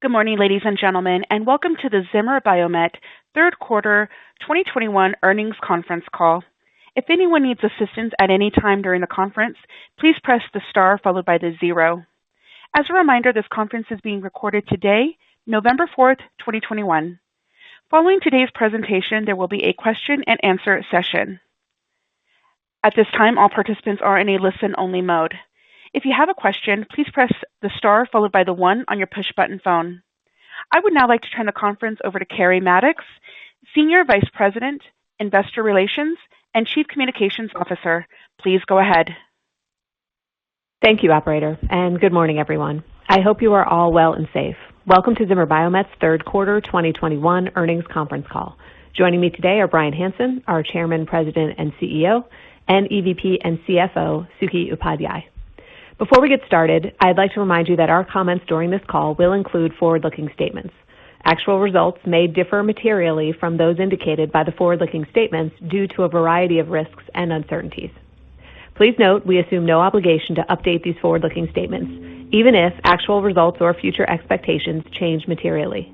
Good morning, ladies and gentlemen, and welcome to the Zimmer Biomet Third Quarter 2021 Earnings Conference Call. If anyone needs assistance at any time during the conference, please press the star followed by the zero. As a reminder, this conference is being recorded today, November 4th, 2021. Following today's presentation, there will be a question-and-answer session. At this time, all participants are in a listen-only mode. If you have a question, please press the star followed by the one on your push button phone. I would now like to turn the conference over to Keri Mattox, Senior Vice President, Investor Relations, and Chief Communications Officer. Please go ahead. Thank you, operator, and good morning, everyone. I hope you are all well and safe. Welcome to Zimmer Biomet's Third Quarter 2021 Earnings Conference Call. Joining me today are Bryan Hanson, our Chairman, President, and CEO, and EVP and CFO, Suketu Upadhyay. Before we get started, I'd like to remind you that our comments during this call will include forward-looking statements. Actual results may differ materially from those indicated by the forward-looking statements due to a variety of risks and uncertainties. Please note we assume no obligation to update these forward-looking statements, even if actual results or future expectations change materially.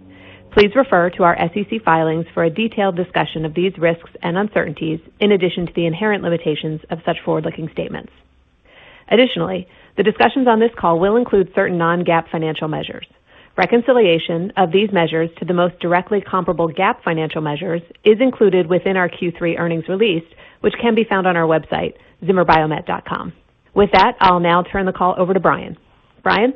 Please refer to our SEC filings for a detailed discussion of these risks and uncertainties in addition to the inherent limitations of such forward-looking statements. Additionally, the discussions on this call will include certain non-GAAP financial measures. Reconciliation of these measures to the most directly comparable GAAP financial measures is included within our Q3 earnings release, which can be found on our website, zimmerbiomet.com. With that, I'll now turn the call over to Bryan. Bryan.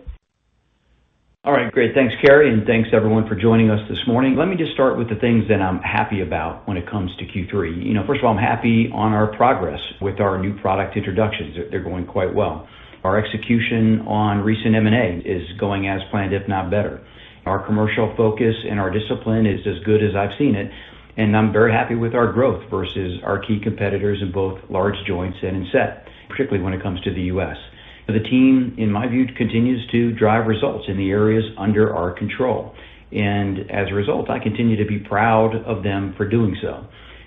All right, great. Thanks, Keri, and thanks everyone for joining us this morning. Let me just start with the things that I'm happy about when it comes to Q3. You know, first of all, I'm happy on our progress with our new product introductions. They're going quite well. Our execution on recent M&A is going as planned, if not better. Our commercial focus and our discipline is as good as I've seen it, and I'm very happy with our growth versus our key competitors in both Large Joints and in S.E.T., particularly when it comes to the U.S. The team, in my view, continues to drive results in the areas under our control. As a result, I continue to be proud of them for doing so.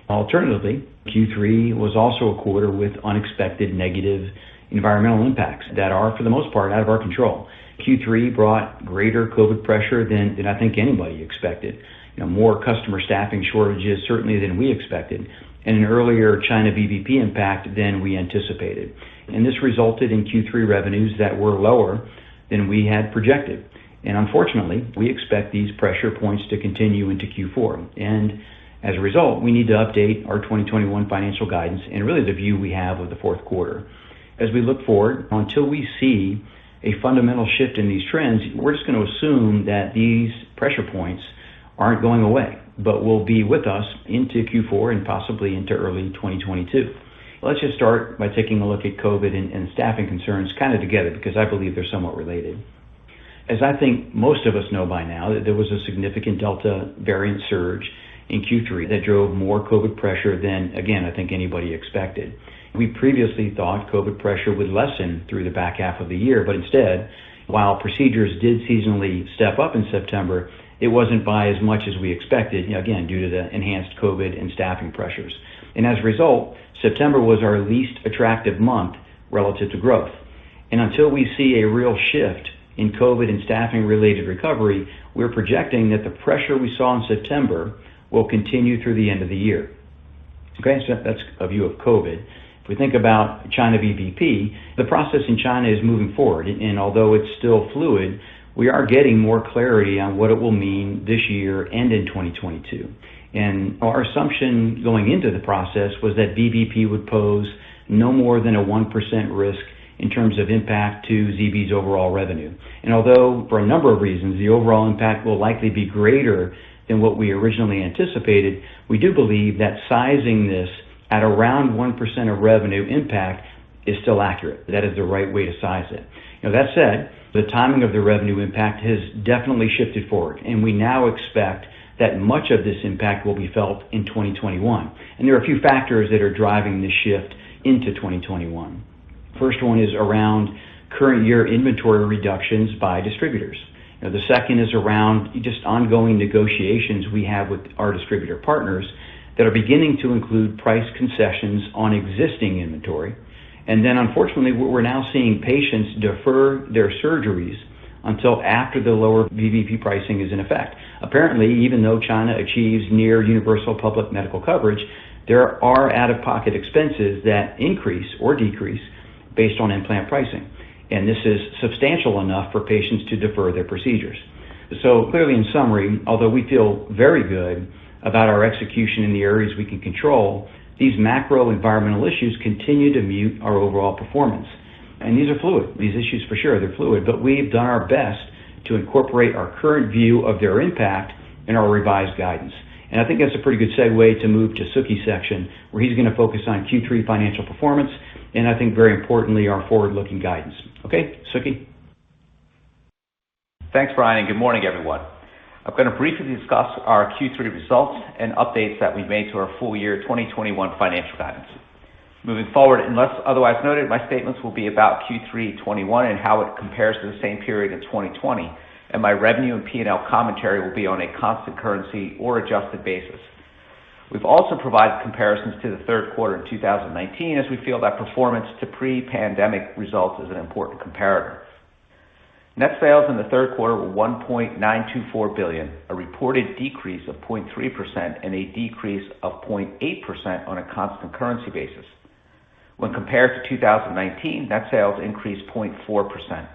Alternatively, Q3 was also a quarter with unexpected negative environmental impacts that are, for the most part, out of our control. Q3 brought greater COVID pressure than I think anybody expected. You know, more customer staffing shortages certainly than we expected and an earlier China VBP impact than we anticipated. This resulted in Q3 revenues that were lower than we had projected. Unfortunately, we expect these pressure points to continue into Q4. As a result, we need to update our 2021 financial guidance and really the view we have of the fourth quarter. As we look forward, until we see a fundamental shift in these trends, we're just gonna assume that these pressure points aren't going away but will be with us into Q4 and possibly into early 2022. Let's just start by taking a look at COVID and staffing concerns kind of together because I believe they're somewhat related. As I think most of us know by now that there was a significant Delta variant surge in Q3 that drove more COVID pressure than, again, I think anybody expected. We previously thought COVID pressure would lessen through the back half of the year, but instead, while procedures did seasonally step up in September, it wasn't by as much as we expected, you know, again, due to the enhanced COVID and staffing pressures. As a result, September was our least attractive month relative to growth. Until we see a real shift in COVID and staffing-related recovery, we're projecting that the pressure we saw in September will continue through the end of the year. Okay, that's a view of COVID. If we think about China VBP, the process in China is moving forward, and although it's still fluid, we are getting more clarity on what it will mean this year and in 2022. Our assumption going into the process was that VBP would pose no more than a 1% risk in terms of impact to ZB's overall revenue. Although for a number of reasons, the overall impact will likely be greater than what we originally anticipated, we do believe that sizing this at around 1% of revenue impact is still accurate. That is the right way to size it. You know, that said, the timing of the revenue impact has definitely shifted forward, and we now expect that much of this impact will be felt in 2021. There are a few factors that are driving this shift into 2021. First one is around current year inventory reductions by distributors. You know, the second is around just ongoing negotiations we have with our distributor partners that are beginning to include price concessions on existing inventory. Unfortunately, we're now seeing patients defer their surgeries until after the lower VBP pricing is in effect. Apparently, even though China achieves near universal public medical coverage, there are out-of-pocket expenses that increase or decrease based on implant pricing, and this is substantial enough for patients to defer their procedures. Clearly in summary, although we feel very good about our execution in the areas we can control, these macro environmental issues continue to mute our overall performance. These are fluid. These issues for sure, they're fluid, but we've done our best to incorporate our current view of their impact in our revised guidance. I think that's a pretty good segue to move to Suky's section, where he's gonna focus on Q3 financial performance, and I think very importantly, our forward-looking guidance. Okay, Suky. Thanks, Bryan, and good morning, everyone. I'm gonna briefly discuss our Q3 results and updates that we've made to our full year 2021 financial guidance. Moving forward, unless otherwise noted, my statements will be about Q3 2021 and how it compares to the same period in 2020, and my revenue and P&L commentary will be on a constant currency or adjusted basis. We've also provided comparisons to the third quarter in 2019 as we feel that performance to pre-pandemic results is an important comparator. Net sales in the third quarter were $1.924 billion, a reported decrease of 0.3% and a decrease of 0.8% on a constant currency basis. When compared to 2019, net sales increased 0.4%.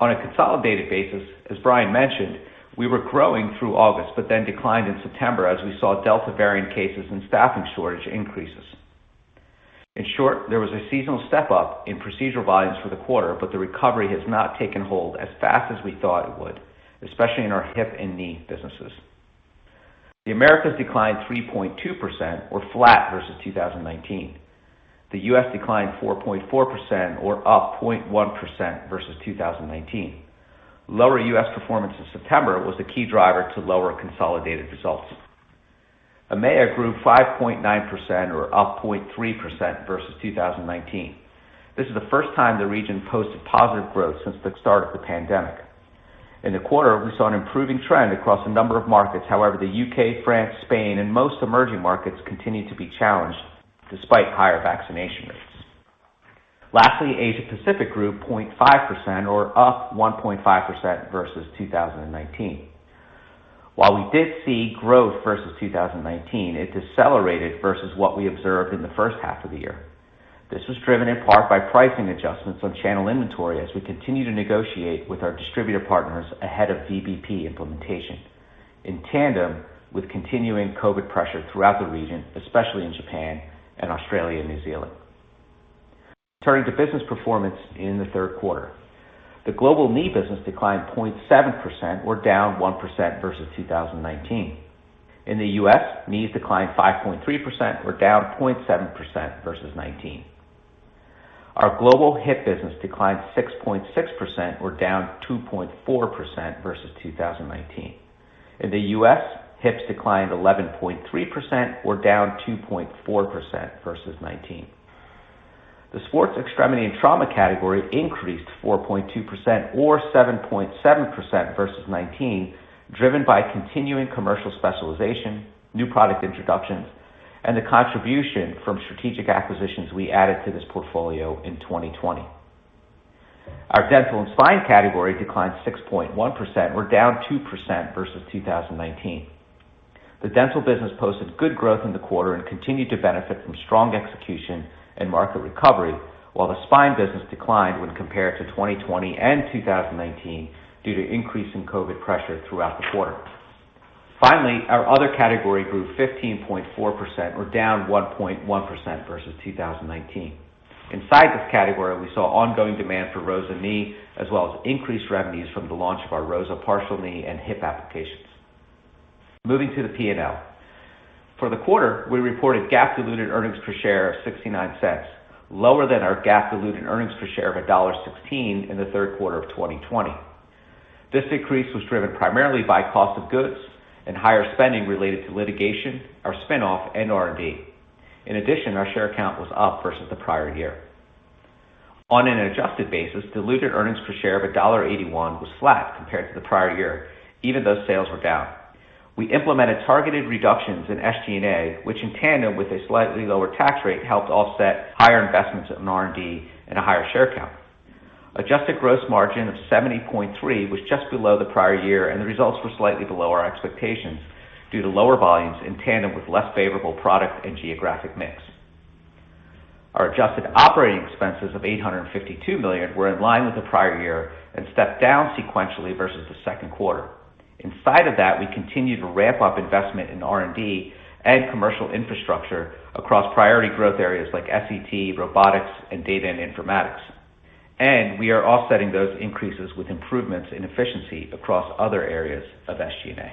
On a consolidated basis, as Bryan mentioned, we were growing through August but then declined in September as we saw Delta variant cases and staffing shortage increases. In short, there was a seasonal step-up in procedural volumes for the quarter, but the recovery has not taken hold as fast as we thought it would, especially in our hip and knee businesses. The Americas declined 3.2% or flat versus 2019. The U.S. declined 4.4% or up 0.1% versus 2019. Lower U.S. performance in September was the key driver to lower consolidated results. EMEA grew 5.9% or up 0.3% versus 2019. This is the first time the region posted positive growth since the start of the pandemic. In the quarter, we saw an improving trend across a number of markets. However, the U.K., France, Spain, and most emerging markets continue to be challenged despite higher vaccination rates. Lastly, Asia Pacific grew 0.5% or up 1.5% versus 2019. While we did see growth versus 2019, it decelerated versus what we observed in the first half of the year. This was driven in part by pricing adjustments on channel inventory as we continue to negotiate with our distributor partners ahead of VBP implementation, in tandem with continuing COVID pressure throughout the region, especially in Japan and Australia and New Zealand. Turning to business performance in the third quarter. The global knee business declined 0.7% or down 1% versus 2019. In the U.S., knees declined 5.3% or down 0.7% versus 2019. Our global hip business declined 6.6% or down 2.4% versus 2019. In the U.S., hips declined 11.3% or down 2.4% versus 2019. The sports extremity and trauma category increased 4.2% or 7.7% versus 2019, driven by continuing commercial specialization, new product introductions, and the contribution from strategic acquisitions we added to this portfolio in 2020. Our dental and spine category declined 6.1%. We're down 2% versus 2019. The dental business posted good growth in the quarter and continued to benefit from strong execution and market recovery, while the spine business declined when compared to 2020 and 2019 due to increase in COVID pressure throughout the quarter. Finally, our other category grew 15.4% or down 1.1% versus 2019. Inside this category, we saw ongoing demand for ROSA Knee as well as increased revenues from the launch of our ROSA Partial Knee and Hip applications. Moving to the P&L. For the quarter, we reported GAAP diluted Earnings Per Share of $0.69, lower than our GAAP diluted Earnings Per Share of $1.16 in the third quarter of 2020. This decrease was driven primarily by cost of goods and higher spending related to litigation, our spin-off, and R&D. In addition, our share count was up versus the prior year. On an adjusted basis, diluted Earnings Per Share of $1.81 was flat compared to the prior year, even though sales were down. We implemented targeted reductions in SG&A, which in tandem with a slightly lower tax rate helped offset higher investments in R&D and a higher share count. Adjusted gross margin of 70.3% was just below the prior year, and the results were slightly below our expectations due to lower volumes in tandem with less favorable product and geographic mix. Our adjusted operating expenses of $852 million were in line with the prior year and stepped down sequentially versus the second quarter. Inside of that, we continued to ramp up investment in R&D and commercial infrastructure across priority growth areas like S.E.T., robotics, and data and informatics. We are offsetting those increases with improvements in efficiency across other areas of SG&A.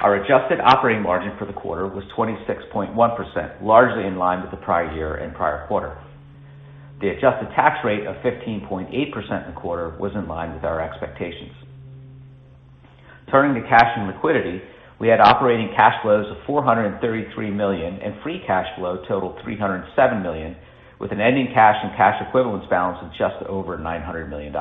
Our adjusted operating margin for the quarter was 26.1%, largely in line with the prior year and prior quarter. The adjusted tax rate of 15.8% in the quarter was in line with our expectations. Turning to cash and liquidity, we had operating cash flows of $433 million, and free cash flow totalled $307 million, with an ending cash and cash equivalents balance of just over $900 million.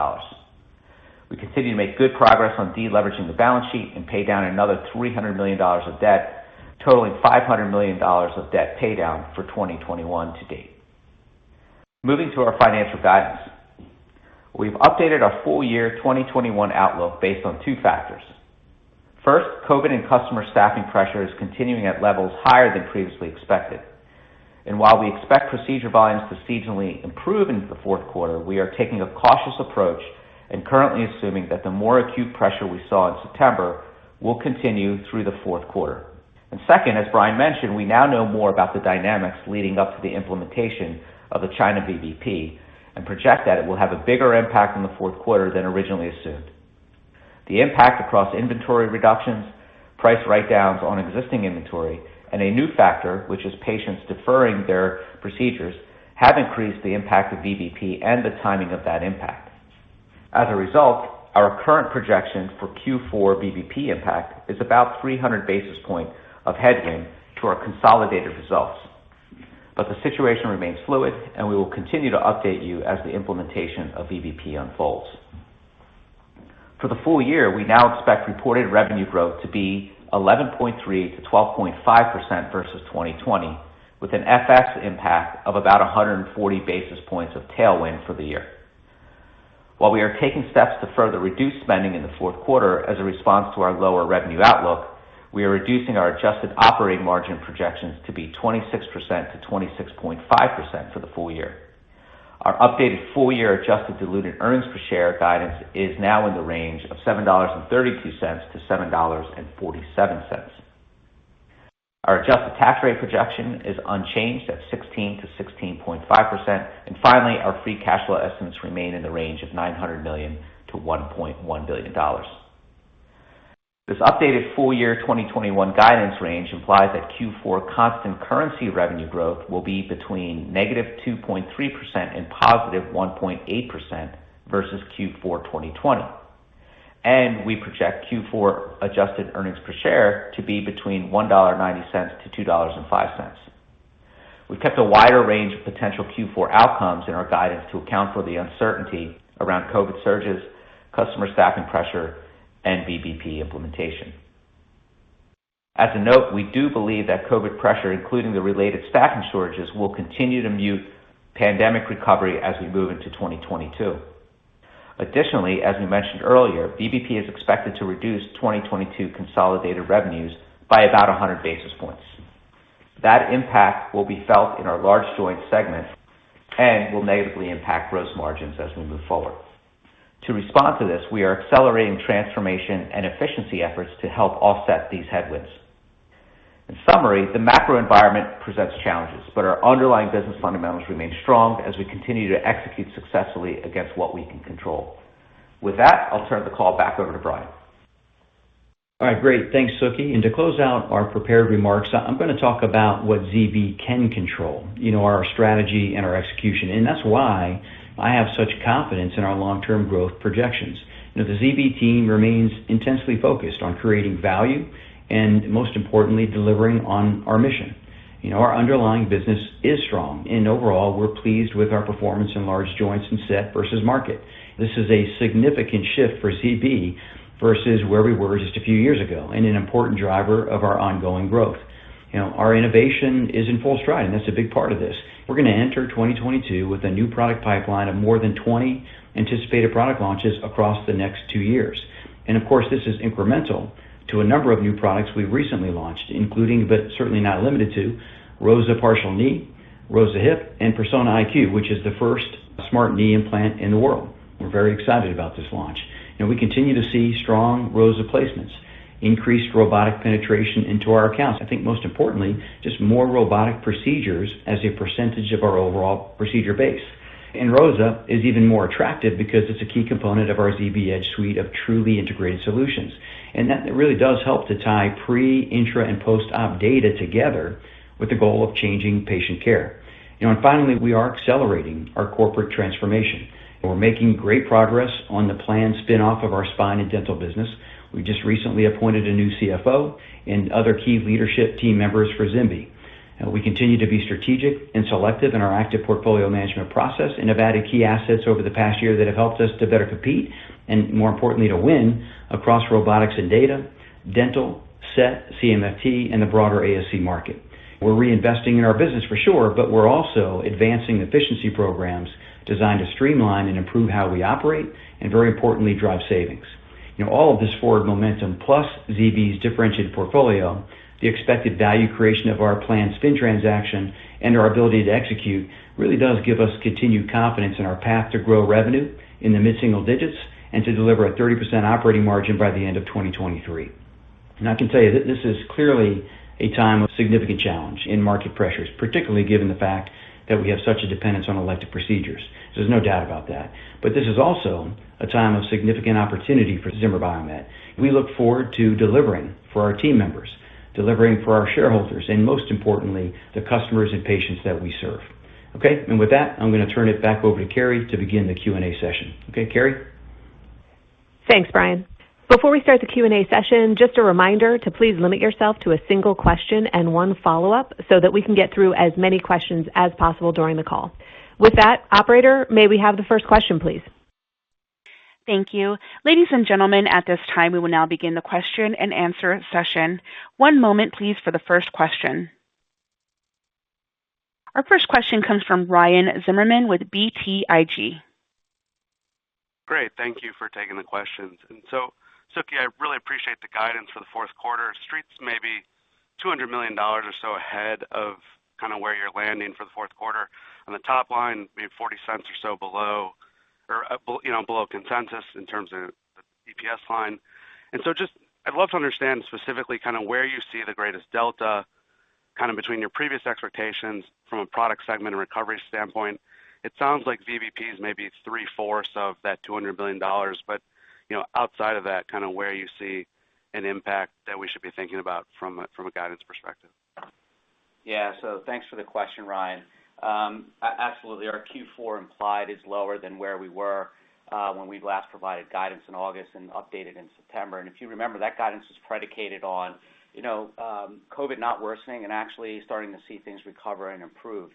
We continue to make good progress on deleveraging the balance sheet and pay down another $300 million of debt, totalling $500 million of debt pay down for 2021 to date. Moving to our financial guidance. We've updated our full-year 2021 outlook based on two factors. First, COVID and customer staffing pressure is continuing at levels higher than previously expected. While we expect procedure volumes to seasonally improve into the fourth quarter, we are taking a cautious approach and currently assuming that the more acute pressure we saw in September will continue through the fourth quarter. Second, as Bryan mentioned, we now know more about the dynamics leading up to the implementation of the China VBP and we project that it will have a bigger impact on the fourth quarter than originally assumed. The impact across inventory reductions, price write-downs on existing inventory, and a new factor, which is patients deferring their procedures, have increased the impact of VBP and the timing of that impact. As a result, our current projection for Q4 VBP impact is about 300 basis points of headwind to our consolidated results. The situation remains fluid, and we will continue to update you as the implementation of VBP unfolds. For the full year, we now expect reported revenue growth to be 11.3%-12.5% versus 2020, with an FX impact of about 140 basis points of tailwind for the year. While we are taking steps to further reduce spending in the fourth quarter as a response to our lower revenue outlook, we are reducing our adjusted operating margin projections to be 26%-26.5% for the full year. Our updated full year Adjusted Diluted Earnings Per Share guidance is now in the range of $7.32-$7.47. Our adjusted tax rate projection is unchanged at 16%-16.5%. Finally, our free cash flow estimates remain in the range of $900 million-$1.1 billion. This updated full year 2021 guidance range implies that Q4 constant currency revenue growth will be between -2.3% and +1.8% versus Q4 2020. We project Q4 adjusted Earnings Per Share to be between $1.90 and $2.05. We've kept a wider range of potential Q4 outcomes in our guidance to account for the uncertainty around COVID surges, customer staffing pressure, and VBP implementation. As a note, we do believe that COVID pressure, including the related staffing shortages, will continue to mute pandemic recovery as we move into 2022. Additionally, as we mentioned earlier, VBP is expected to reduce 2022 consolidated revenues by about 100 basis points. That impact will be felt in our large joint segment and will negatively impact gross margins as we move forward. To respond to this, we are accelerating transformation and efficiency efforts to help offset these headwinds. In summary, the macro environment presents challenges, but our underlying business fundamentals remain strong as we continue to execute successfully against what we can control. With that, I'll turn the call back over to Bryan. All right. Great. Thanks, Suky. To close out our prepared remarks, I'm gonna talk about what ZB can control, you know, our strategy and our execution. That's why I have such confidence in our long-term growth projections. You know, the ZB team remains intensely focused on creating value and most importantly, delivering on our mission. You know, our underlying business is strong and overall, we're pleased with our performance in Large Joints and S.E.T. versus market. This is a significant shift for ZB versus where we were just a few years ago and an important driver of our ongoing growth. You know, our innovation is in full stride, and that's a big part of this. We're gonna enter 2022 with a new product pipeline of more than 20 anticipated product launches across the next two years. Of course, this is incremental to a number of new products we recently launched, including, but certainly not limited to ROSA Partial Knee, ROSA Hip, and Persona iQ, which is the first smart knee implant in the world. We're very excited about this launch, and we continue to see strong ROSA placements, increased robotic penetration into our accounts. I think most importantly, just more robotic procedures as a percentage of our overall procedure base. ROSA is even more attractive because it's a key component of our ZBEdge suite of truly integrated solutions. That really does help to tie pre, intra, and post-op data together with the goal of changing patient care. You know, finally, we are accelerating our corporate transformation. We're making great progress on the planned spin-off of our spine and dental business. We just recently appointed a new CFO and other key leadership team members for ZimVie. We continue to be strategic and selective in our active portfolio management process and have added key assets over the past year that have helped us to better compete and more importantly, to win across robotics and data, dental, S.E.T., CMFT, and the broader ASC market. We're reinvesting in our business for sure, but we're also advancing efficiency programs designed to streamline and improve how we operate and very importantly, drive savings. You know, all of this forward momentum plus ZB's differentiated portfolio, the expected value creation of our planned spin transaction and our ability to execute really does give us continued confidence in our path to grow revenue in the mid-single digits and to deliver a 30% operating margin by the end of 2023. I can tell you, this is clearly a time of significant challenge in market pressures, particularly given the fact that we have such a dependence on elective procedures. There's no doubt about that. This is also a time of significant opportunity for Zimmer Biomet. We look forward to delivering for our team members, delivering for our shareholders, and most importantly, the customers and patients that we serve. Okay. With that, I'm gonna turn it back over to Keri to begin the Q&A session. Okay, Keri. Thanks, Bryan. Before we start the Q&A session, just a reminder to please limit yourself to a single question and one follow-up so that we can get through as many questions as possible during the call. With that, operator, may we have the first question, please? Thank you. Ladies and gentlemen, at this time, we will now begin the question-and-answer session. One moment please for the first question. Our first question comes from Ryan Zimmerman with BTIG. Great. Thank you for taking the questions. Suky, I really appreciate the guidance for the fourth quarter. Street's maybe $200 million or so ahead of kind of where you're landing for the fourth quarter. On the top line, maybe $0.40 or so below, you know, below consensus in terms of the EPS line. Just, I'd love to understand specifically kind of where you see the greatest delta kind of between your previous expectations from a product segment and recovery standpoint. It sounds like VBP is maybe 3/4 of that $200 million. You know, outside of that, kind of where you see an impact that we should be thinking about from a guidance perspective. Thanks for the question, Ryan. Absolutely. Our Q4 implied is lower than where we were when we last provided guidance in August and updated in September. If you remember, that guidance was predicated on you know COVID not worsening and actually starting to see things recover and improve.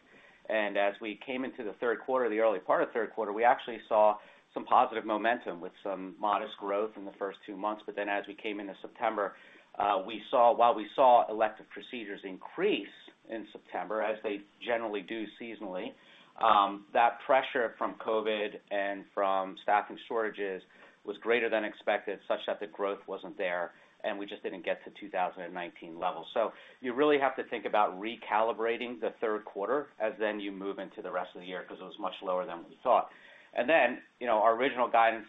As we came into the third quarter, the early part of third quarter, we actually saw some positive momentum with some modest growth in the first two months. As we came into September, while we saw elective procedures increase in September, as they generally do seasonally, that pressure from COVID and from staffing shortages was greater than expected, such that the growth wasn't there, and we just didn't get to 2019 levels. You really have to think about recalibrating the third quarter as then you move into the rest of the year because it was much lower than we thought. Our original guidance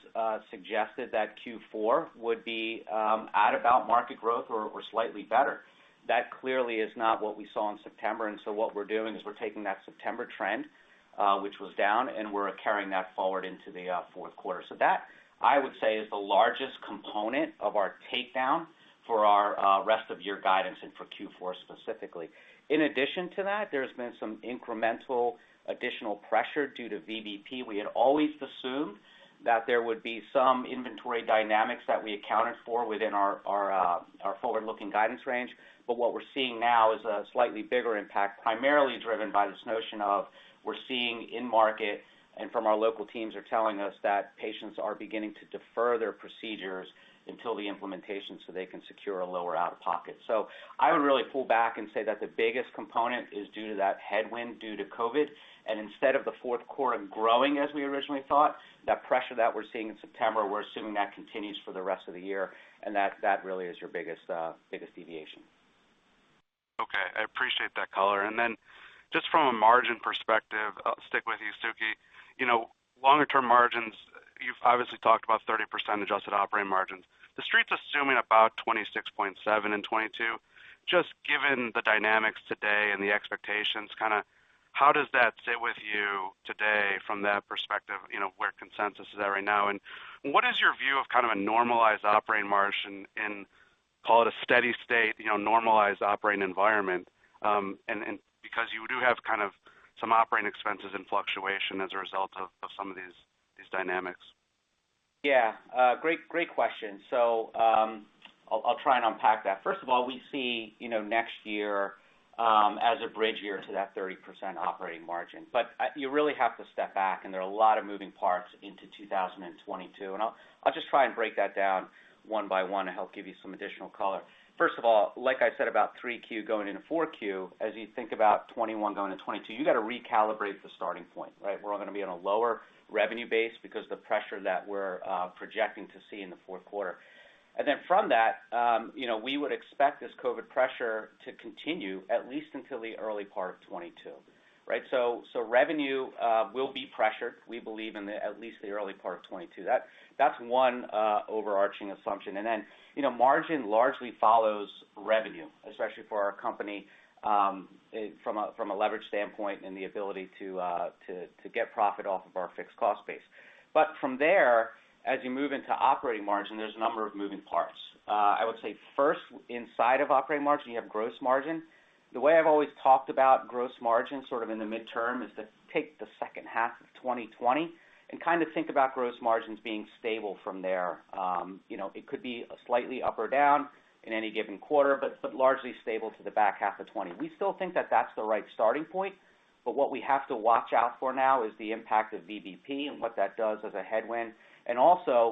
suggested that Q4 would be at about market growth or slightly better. That clearly is not what we saw in September, and so what we're doing is we're taking that September trend, which was down, and we're carrying that forward into the fourth quarter. That, I would say, is the largest component of our takedown for our rest of year guidance and for Q4 specifically. In addition to that, there's been some incremental additional pressure due to VBP. We had always assumed that there would be some inventory dynamics that we accounted for within our forward-looking guidance range. What we're seeing now is a slightly bigger impact, primarily driven by this notion of we're seeing in market and from our local teams are telling us that patients are beginning to defer their procedures until the implementation, so they can secure a lower out-of-pocket. I would really pull back and say that the biggest component is due to that headwind due to COVID. Instead of the fourth quarter growing, as we originally thought, that pressure that we're seeing in September, we're assuming that continues for the rest of the year, and that really is your biggest deviation. Okay. I appreciate that color. Just from a margin perspective, I'll stick with you, Suky. You know, longer term margins, you've obviously talked about 30% adjusted operating margins. The Street's assuming about 26.7% in 2022. Just given the dynamics today and the expectations, kinda how does that sit with you today from that perspective, you know, where consensus is at right now? What is your view of kind of a normalized operating margin in, call it a steady state, you know, normalized operating environment? And because you do have kind of some operating expenses and fluctuation as a result of some of these dynamics. Yeah. Great question. I'll try and unpack that. First of all, we see, you know, next year, as a bridge year to that 30% operating margin. You really have to step back, and there are a lot of moving parts into 2022, and I'll just try and break that down one by one and help give you some additional color. First of all, like I said about 3Q going into 4Q, as you think about 2021 going to 2022, you gotta recalibrate the starting point, right? We're all gonna be on a lower revenue base because the pressure that we're projecting to see in the fourth quarter. From that, you know, we would expect this COVID pressure to continue at least until the early part of 2022, right? Revenue will be pressured, we believe in at least the early part of 2022. That is one overarching assumption. Then, you know, margin largely follows revenue, especially for our company, from a leverage standpoint and the ability to get profit off of our fixed cost base. From there, as you move into operating margin, there is a number of moving parts. I would say first inside of operating margin, you have gross margin. The way I've always talked about gross margin, sort of in the midterm, is to take the second half of 2020 and kind of think about gross margins being stable from there. You know, it could be slightly up or down in any given quarter, but largely stable to the back half of 2020. We still think that that's the right starting point, but what we have to watch out for now is the impact of VBP and what that does as a headwind.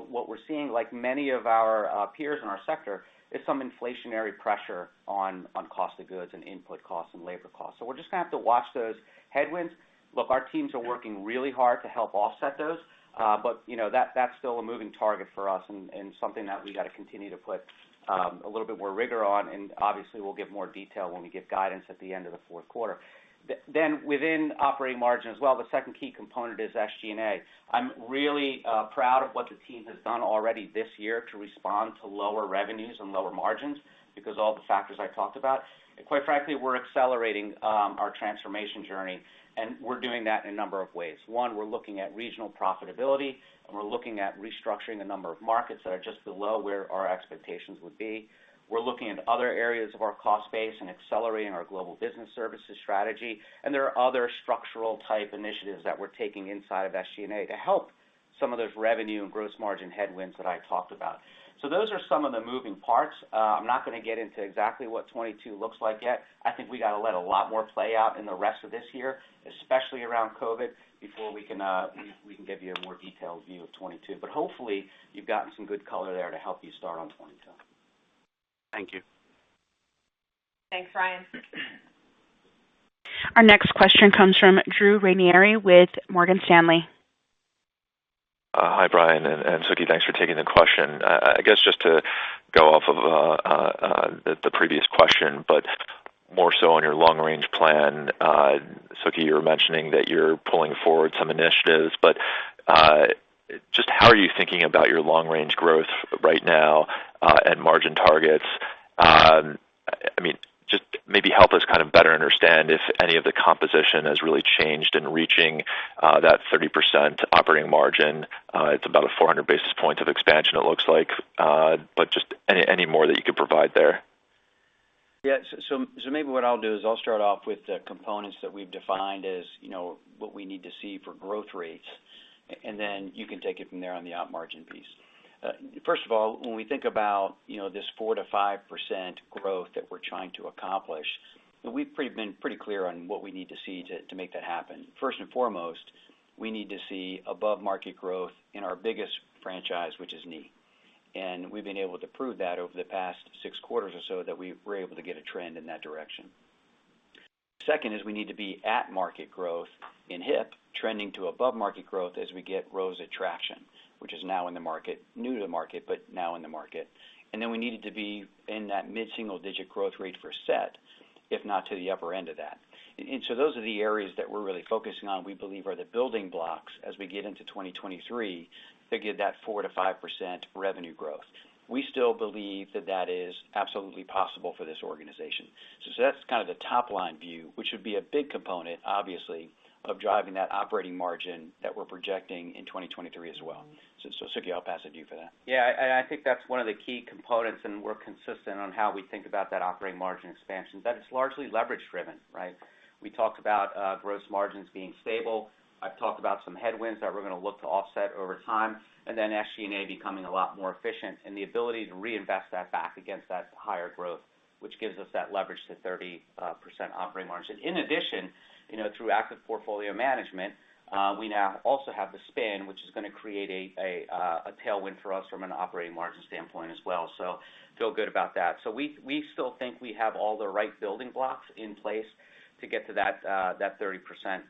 What we're seeing, like many of our peers in our sector, is some inflationary pressure on cost of goods and input costs and labor costs. We're just gonna have to watch those headwinds. Look, our teams are working really hard to help offset those, but you know, that's still a moving target for us and something that we gotta continue to put a little bit more rigor on. Obviously, we'll give more detail when we give guidance at the end of the fourth quarter. Within operating margin as well, the second key component is SG&A. I'm really proud of what the team has done already this year to respond to lower revenues and lower margins because all the factors I talked about. Quite frankly, we're accelerating our transformation journey, and we're doing that in a number of ways. One, we're looking at regional profitability, and we're looking at restructuring a number of markets that are just below where our expectations would be. We're looking at other areas of our cost base and accelerating our global business services strategy. There are other structural type initiatives that we're taking inside of SG&A to help some of those revenue and gross margin headwinds that I talked about. Those are some of the moving parts. I'm not gonna get into exactly what 2022 looks like yet. I think we gotta let a lot more play out in the rest of this year, especially around COVID, before we can give you a more detailed view of 2022. Hopefully, you've gotten some good color there to help you start on 2022. Thank you. Thanks, Ryan. Our next question comes from Drew Ranieri with Morgan Stanley. Hi, Bryan and Suky. Thanks for taking the question. I guess, just to go off of the previous question, but more so on your long-range plan. Suky, you were mentioning that you're pulling forward some initiatives, but just how are you thinking about your long-range growth right now, and margin targets? I mean, just maybe help us kind of better understand if any of the composition has really changed in reaching that 30% operating margin. It's about a 400 basis point of expansion it looks like, but just any more that you could provide there. Maybe what I'll do is I'll start off with the components that we've defined as, you know, what we need to see for growth rates, and then you can take it from there on the op margin piece. First of all, when we think about, you know, this 4%-5% growth that we're trying to accomplish, we've been pretty clear on what we need to see to make that happen. First and foremost, we need to see above-market growth in our biggest franchise, which is knee. We've been able to prove that over the past six quarters or so we're able to get a trend in that direction. Second is we need to be at market growth in hip, trending to above market growth as we get ROSA traction, which is now in the market, new to the market, but now in the market. We needed to be in that mid-single digit growth rate for S.E.T., if not to the upper end of that. Those are the areas that we're really focusing on, we believe are the building blocks as we get into 2023 to get that 4%-5% revenue growth. We still believe that that is absolutely possible for this organization. That's kind of the top line view, which would be a big component, obviously, of driving that operating margin that we're projecting in 2023 as well. Suky, I'll pass it to you for that. Yeah, and I think that's one of the key components, and we're consistent on how we think about that operating margin expansion, that it's largely leverage driven, right? We talked about gross margins being stable. I've talked about some headwinds that we're gonna look to offset over time, and then SG&A becoming a lot more efficient and the ability to reinvest that back against that higher growth, which gives us that leverage to 30% operating margin. In addition, you know, through active portfolio management, we now also have the spin, which is gonna create a tailwind for us from an operating margin standpoint as well. We feel good about that. We still think we have all the right building blocks in place to get to that 30%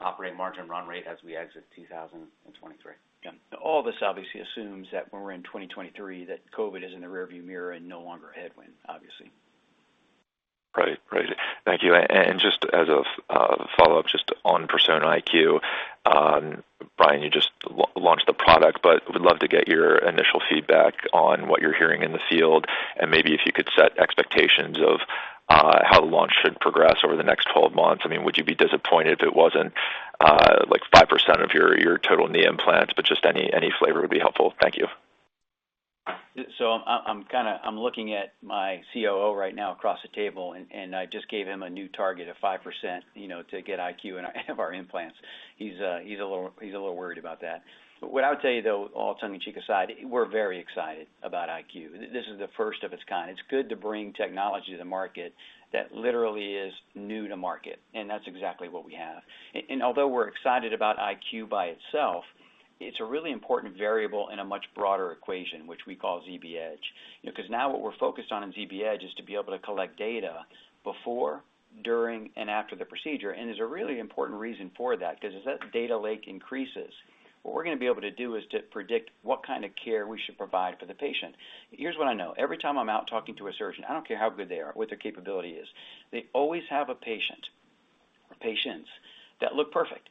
operating margin run rate as we exit 2023. Yeah. All this obviously assumes that when we're in 2023, that COVID is in the rearview mirror and no longer a headwind, obviously. Right. Right. Thank you. Just as a follow-up just on Persona iQ, Bryan, you just launched the product, but would love to get your initial feedback on what you're hearing in the field, and maybe if you could set expectations of how the launch should progress over the next 12 months. I mean, would you be disappointed if it wasn't like 5% of your total knee implants? Just any flavor would be helpful. Thank you. I'm kinda looking at my COO right now across the table, and I just gave him a new target of 5%, you know, to get Persona iQ in our implants. He's a little worried about that. What I would tell you, though, all tongue in cheek aside, we're very excited about Persona iQ. This is the first of its kind. It's good to bring technology to market that literally is new to market, and that's exactly what we have. Although we're excited about Persona iQ by itself, it's a really important variable in a much broader equation, which we call ZBEdge. You know, because now what we're focused on in ZBEdge is to be able to collect data before, during, and after the procedure. There's a really important reason for that, because as that data lake increases, what we're gonna be able to do is to predict what kind of care we should provide for the patient. Here's what I know. Every time I'm out talking to a surgeon, I don't care how good they are, what their capability is. They always have a patient or patients that look perfect.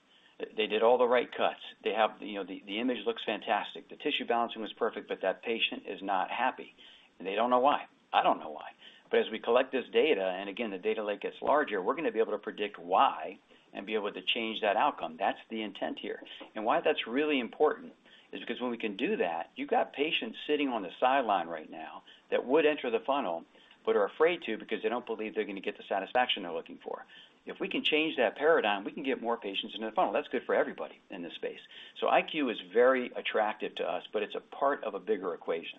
They did all the right cuts. You know, the image looks fantastic. The tissue balancing was perfect, but that patient is not happy, and they don't know why. I don't know why. As we collect this data, and again, the data lake gets larger, we're gonna be able to predict why and be able to change that outcome. That's the intent here. Why that's really important is because when we can do that, you've got patients sitting on the sideline right now that would enter the funnel but are afraid to because they don't believe they're gonna get the satisfaction they're looking for. If we can change that paradigm, we can get more patients into the funnel. That's good for everybody in this space. Persona iQ is very attractive to us, but it's a part of a bigger equation.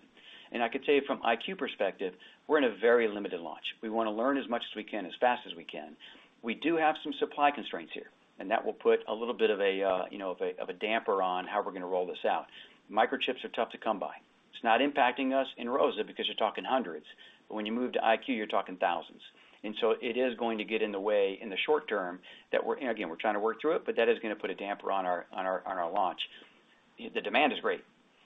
I can tell you from Persona iQ perspective, we're in a very limited launch. We wanna learn as much as we can, as fast as we can. We do have some supply constraints here, and that will put a little bit of a, you know, of a damper on how we're gonna roll this out. Microchips are tough to come by. It's not impacting us in ROSA because you're talking hundreds. When you move to Persona iQ, you're talking thousands. It is going to get in the way in the short term, and again, we're trying to work through it, but that is gonna put a damper on our launch. The demand is great.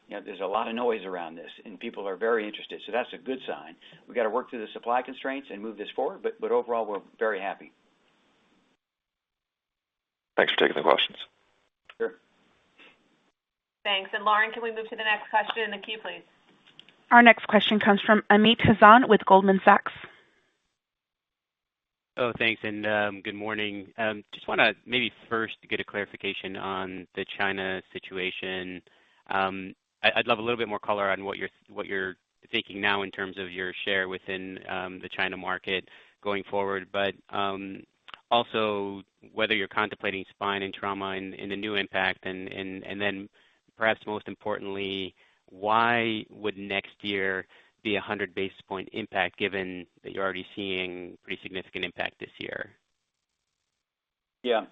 You know, there's a lot of noise around this, and people are very interested, so that's a good sign. We got to work through the supply constraints and move this forward. Overall, we're very happy. Thanks for taking the questions. Sure. Thanks. Lauren, can we move to the next question in the queue, please? Our next question comes from Amit Hazan with Goldman Sachs. Oh, thanks, good morning. Just wanna maybe first get a clarification on the China situation. I'd love a little bit more color on what you're thinking now in terms of your share within the China market going forward, but also whether you're contemplating spine and trauma in the new impact. Then perhaps most importantly, why would next year be a 100-basis point impact given that you're already seeing pretty significant impact this year? Yeah.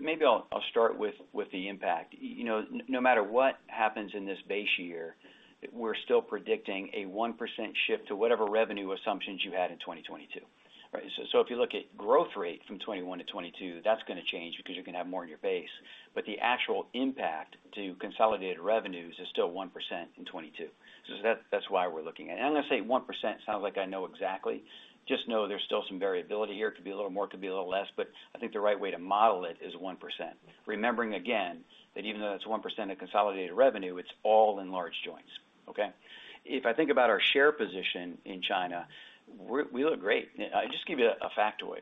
Maybe I'll start with the impact. You know, no matter what happens in this base year, we're still predicting a 1% shift to whatever revenue assumptions you had in 2022. Right? If you look at growth rate from 2021 to 2022, that's gonna change because you're gonna have more in your base. The actual impact to consolidated revenues is still 1% in 2022. That's why we're looking at it. I'm gonna say 1% sounds like I know exactly. Just know there's still some variability here. Could be a little more, could be a little less, but I think the right way to model it is 1%. Remembering again, that even though that's 1% of consolidated revenue, it's all in Large Joints. Okay? If I think about our share position in China, we look great. I'll just give you a factoid.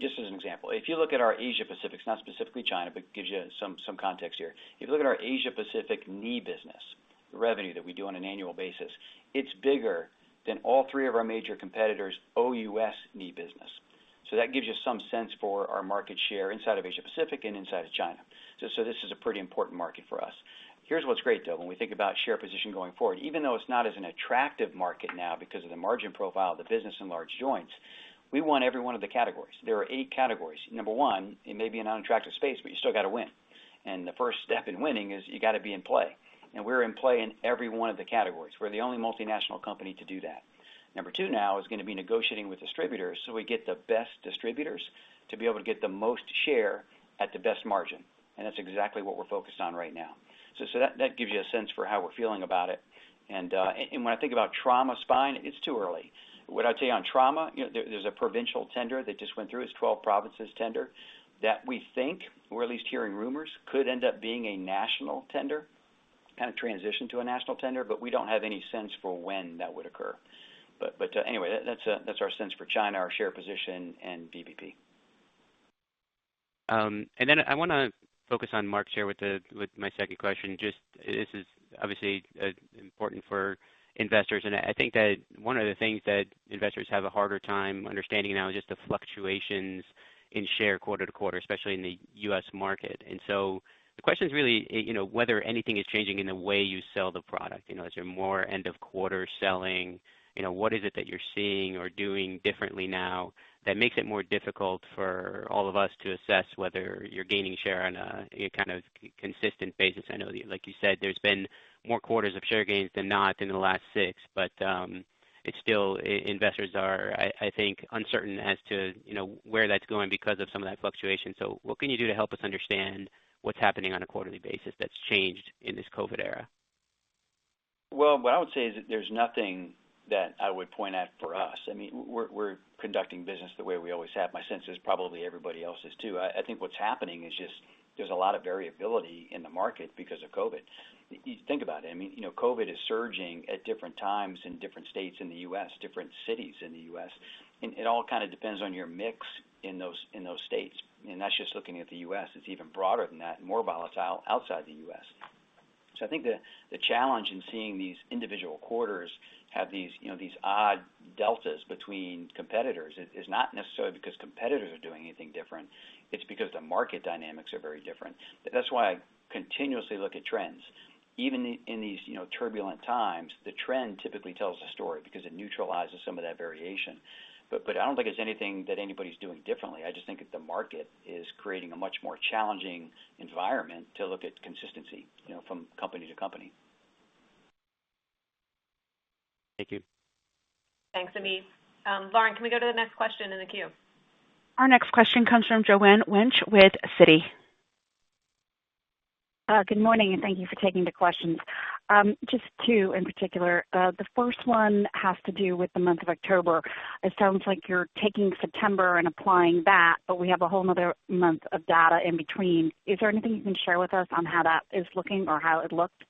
Just as an example, if you look at our Asia Pacific, it's not specifically China, but it gives you some context here. If you look at our Asia Pacific knee business, the revenue that we do on an annual basis, it's bigger than all three of our major competitors' OUS knee business. So that gives you some sense for our market share inside of Asia Pacific and inside of China. So, this is a pretty important market for us. Here's what's great, though, when we think about share position going forward, even though it's not as an attractive market now because of the margin profile of the business in Large Joints, we want every one of the categories. There are eight categories. Number one, it may be an unattractive space, but you still got to win. The first step in winning is you got to be in play, and we're in play in every one of the categories. We're the only multinational company to do that. Number two now is gonna be negotiating with distributors, so we get the best distributors to be able to get the most share at the best margin. That's exactly what we're focused on right now. So that gives you a sense for how we're feeling about it. When I think about trauma spine, it's too early. What I'd say on trauma, you know, there's a provincial tender that just went through, it's 12 provinces tender that we think, or at least hearing rumors, could end up being a national tender, kind of transition to a national tender, but we don't have any sense for when that would occur. But anyway, that's our sense for China, our share position and VBP. I wanna focus on market share with my second question. This is obviously important for investors, and I think that one of the things that investors have a harder time understanding now is just the fluctuations in share quarter-to-quarter, especially in the U.S. market. The question is really, you know, whether anything is changing in the way you sell the product. You know, is there more end of quarter selling? You know, what is it that you're seeing or doing differently now that makes it more difficult for all of us to assess whether you're gaining share on a kind of consistent basis? I know, like you said, there's been more quarters of share gains than not in the last six. It's still investors are, I think, uncertain as to, you know, where that's going because of some of that fluctuation. What can you do to help us understand what's happening on a quarterly basis that's changed in this COVID era? Well, what I would say is that there's nothing that I would point at for us. I mean, we're conducting business the way we always have. My sense is probably everybody else is, too. I think what's happening is just there's a lot of variability in the market because of COVID. You think about it. I mean, you know, COVID is surging at different times in different states in the U.S., different cities in the U.S., and it all kind of depends on your mix in those, in those states. That's just looking at the U.S. It's even broader than that and more volatile outside the U.S. I think the challenge in seeing these individual quarters have these, you know, these odd deltas between competitors is not necessarily because competitors are doing anything different. It's because the market dynamics are very different. That's why I continuously look at trends. Even in these, you know, turbulent times, the trend typically tells the story because it neutralizes some of that variation. I don't think it's anything that anybody's doing differently. I just think that the market is creating a much more challenging environment to look at consistency, you know, from company to company. Thank you. Thanks, Amit. Lauren, can we go to the next question in the queue? Our next question comes from Joanne Wuensch with Citi. Good morning, and thank you for taking the questions. Just two in particular. The first one has to do with the month of October. It sounds like you're taking September and applying that, but we have a whole nother month of data in between. Is there anything you can share with us on how that is looking or how it looked?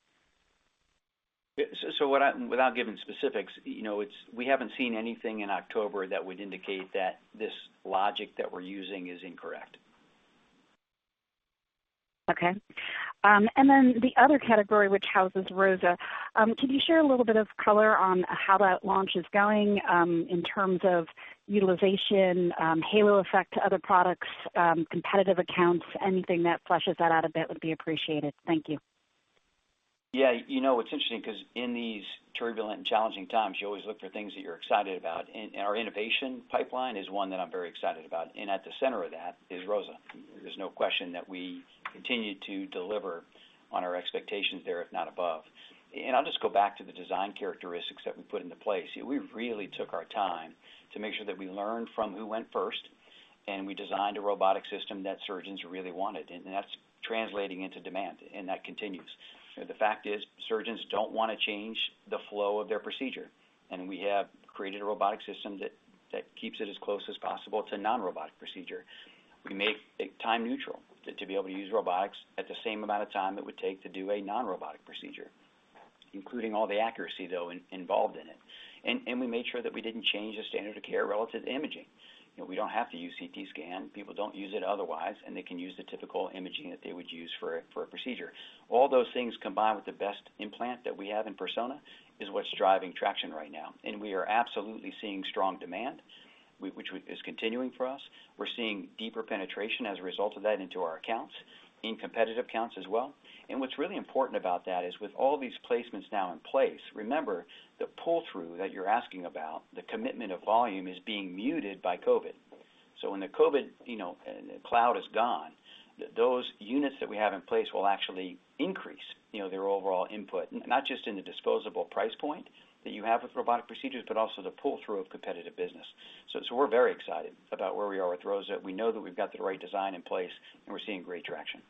Without giving specifics, you know, it's we haven't seen anything in October that would indicate that this logic that we're using is incorrect. Okay. The other category, which houses ROSA, can you share a little bit of color on how that launch is going, in terms of utilization, halo effect to other products, competitive accounts? Anything that fleshes that out a bit would be appreciated. Thank you. Yeah. You know, it's interesting because in these turbulent and challenging times, you always look for things that you're excited about. Our innovation pipeline is one that I'm very excited about. At the center of that is ROSA. There's no question that we continue to deliver on our expectations there, if not above. I'll just go back to the design characteristics that we put into place. We really took our time to make sure that we learned from who went first, and we designed a robotic system that surgeons really wanted, and that's translating into demand, and that continues. The fact is, surgeons don't want to change the flow of their procedure. We have created a robotic system that keeps it as close as possible to non-robotic procedure. We make it time neutral to be able to use robotics at the same amount of time it would take to do a non-robotic procedure, including all the accuracy, though, involved in it. We made sure that we didn't change the standard of care relative to imaging. You know, we don't have to use CT scan. People don't use it otherwise, and they can use the typical imaging that they would use for a procedure. All those things combined with the best implant that we have in Persona is what's driving traction right now. We are absolutely seeing strong demand, which is continuing for us. We're seeing deeper penetration as a result of that into our accounts, in competitive accounts as well. What's really important about that is with all these placements now in place, remember the pull-through that you're asking about, the commitment of volume is being muted by COVID. When the COVID, you know, cloud is gone, those units that we have in place will actually increase, you know, their overall input, not just in the disposable price point that you have with robotic procedures, but also the pull-through of competitive business. We're very excited about where we are with ROSA. We know that we've got the right design in place, and we're seeing great traction.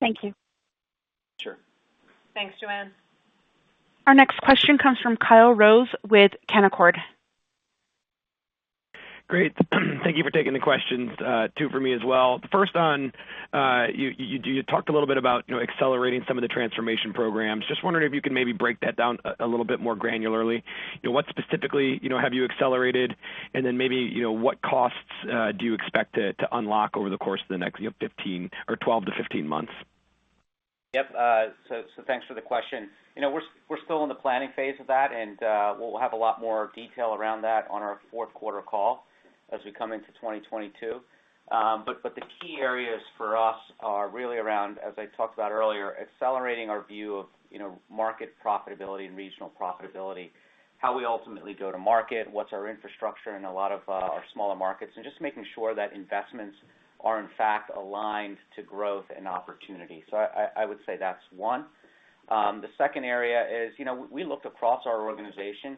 Thank you. Sure. Thanks, Joanne. Our next question comes from Kyle Rose with Canaccord Genuity. Great. Thank you for taking the questions, two for me as well. First on, you talked a little bit about, you know, accelerating some of the transformation programs. Just wondering if you can maybe break that down a little bit more granularly. You know, what specifically, you know, have you accelerated? And then maybe, you know, what costs do you expect to unlock over the course of the next, you know, 15 or 12 to 15 months? Yep. Thanks for the question. You know, we're still in the planning phase of that, and we'll have a lot more detail around that on our fourth quarter call as we come into 2022. But the key areas for us are really around, as I talked about earlier, accelerating our view of, you know, market profitability and regional profitability, how we ultimately go to market, what's our infrastructure in a lot of our smaller markets, and just making sure that investments are in fact aligned to growth and opportunity. I would say that's one. The second area is, you know, we looked across our organization.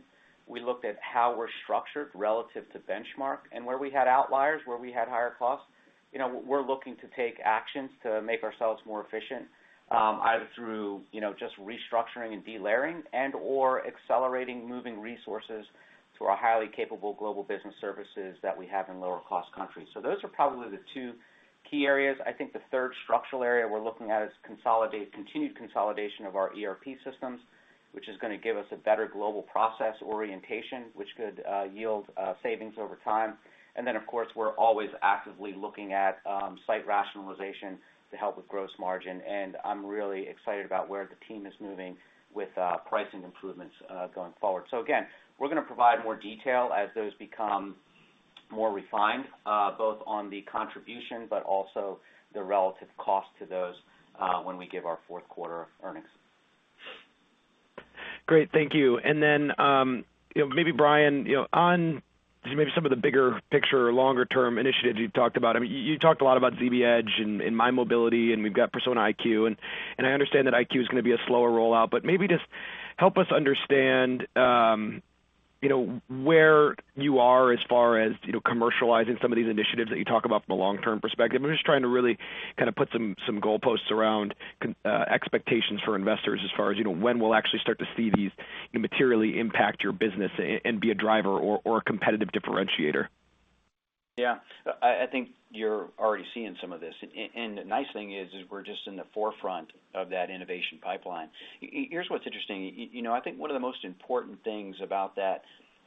We looked at how we're structured relative to benchmark and where we had outliers, where we had higher costs. You know, we're looking to take actions to make ourselves more efficient, either through, you know, just restructuring and de-layering and/or accelerating moving resources to our highly capable global business services that we have in lower cost countries. Those are probably the two key areas. I think the third structural area we're looking at is continued consolidation of our ERP systems, which is gonna give us a better global process orientation, which could yield savings over time. Then, of course, we're always actively looking at site rationalization to help with gross margin, and I'm really excited about where the team is moving with pricing improvements going forward. Again, we're gonna provide more detail as those become more refined, both on the contribution, but also the relative cost to those, when we give our fourth quarter earnings. Great. Thank you. You know, maybe Bryan, you know, on maybe some of the bigger picture or longer-term initiatives you've talked about. I mean, you talked a lot about ZBEdge and MyMobility, and we've got Persona iQ, and I understand that Persona iQ is gonna be a slower rollout, but maybe just help us understand, you know, where you are as far as, you know, commercializing some of these initiatives that you talk about from a long-term perspective. I'm just trying to really kind of put some goalposts around expectations for investors as far as, you know, when we'll actually start to see these materially impact your business and be a driver or a competitive differentiator. Yeah. I think you're already seeing some of this. The nice thing is we're just in the forefront of that innovation pipeline. Here's what's interesting. You know, I think one of the most important things about that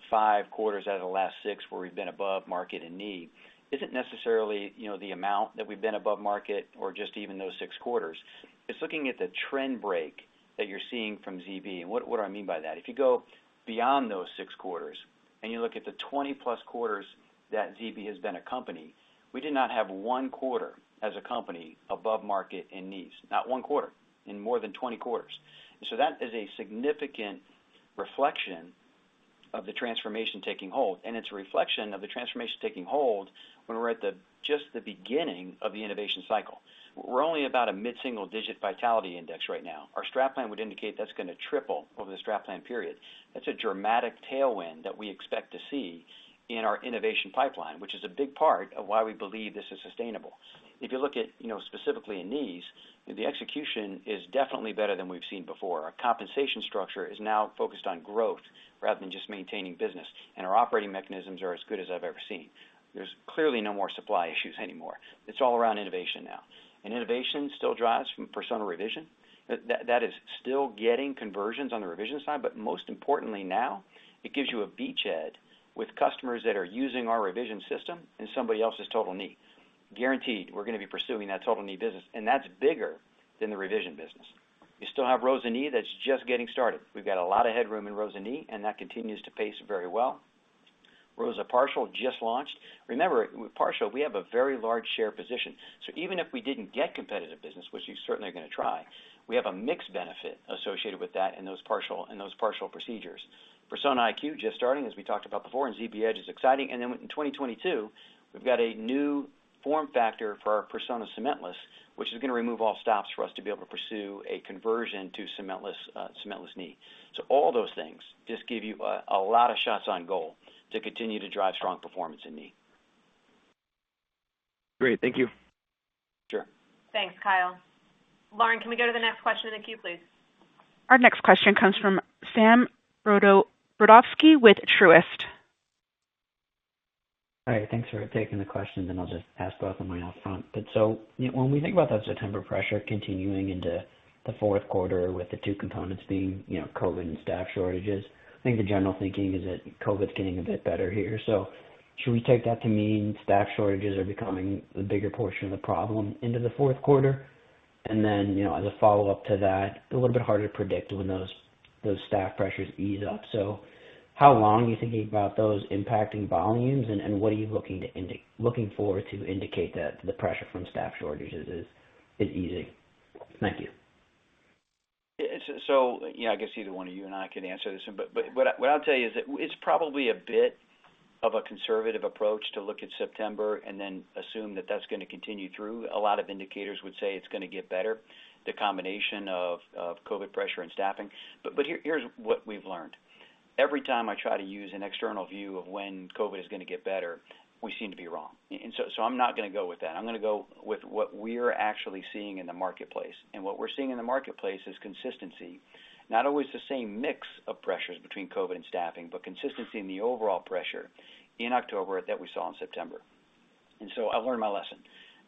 five quarters out of the last six where we've been above market and knee isn't necessarily, you know, the amount that we've been above market or just even those six quarters. It's looking at the trend break that you're seeing from ZB. What do I mean by that? If you go beyond those six quarters and you look at the 20-plus quarters that ZB has been a company, we did not have one quarter as a company above market and knees, not one quarter in more than 20 quarters. That is a significant reflection of the transformation taking hold, and it's a reflection of the transformation taking hold when we're at the beginning of the innovation cycle. We're only about a mid-single digit vitality index right now. Our strat plan would indicate that's gonna triple over the strat plan period. That's a dramatic tailwind that we expect to see in our innovation pipeline, which is a big part of why we believe this is sustainable. If you look at, you know, specifically in knees, the execution is definitely better than we've seen before. Our compensation structure is now focused on growth rather than just maintaining business, and our operating mechanisms are as good as I've ever seen. There's clearly no more supply issues anymore. It's all-around innovation now. Innovation still drives from Persona Revision. That is still getting conversions on the revision side, but most importantly now, it gives you a beachhead with customers that are using our revision system in somebody else's total knee. Guaranteed, we're gonna be pursuing that total knee business, and that's bigger than the revision business. You still have ROSA Knee that's just getting started. We've got a lot of headroom in ROSA Knee, and that continues to pace very well. ROSA Partial Knee just launched. Remember, with Partial Knee, we have a very large share position. So even if we didn't get competitive business, which you certainly are gonna try, we have a mixed benefit associated with that in those partial procedures. Persona iQ just starting, as we talked about before, and ZBEdge is exciting. In 2022, we've got a new form factor for our Persona Cementless, which is gonna remove all stops for us to be able to pursue a conversion to cementless knee. All those things just give you a lot of shots on goal to continue to drive strong performance in knee. Great. Thank you. Sure. Thanks, Kyle. Lauren, can we go to the next question in the queue, please? Our next question comes from Sam Brodovsky with Truist. All right. Thanks for taking the question, then I'll just ask both of them right up front. When we think about that September pressure continuing into the fourth quarter with the two components being, you know, COVID and staff shortages, I think the general thinking is that COVID's getting a bit better here. Should we take that to mean staff shortages are becoming the bigger portion of the problem into the fourth quarter? You know, as a follow-up to that, a little bit harder to predict when those staff pressures ease up. How long are you thinking about those impacting volumes, and what are you looking for to indicate that the pressure from staff shortages is easing? Thank you. Yeah, I guess either one of you and I could answer this one. What I'll tell you is that it's probably a bit of a conservative approach to look at September and then assume that that's gonna continue through. A lot of indicators would say it's gonna get better, the combination of COVID pressure and staffing. Here, here's what we've learned. Every time I try to use an external view of when COVID is gonna get better, we seem to be wrong. I'm not gonna go with that. I'm gonna go with what we're actually seeing in the marketplace. What we're seeing in the marketplace is consistency. Not always the same mix of pressures between COVID and staffing, but consistency in the overall pressure in October that we saw in September. I've learned my lesson.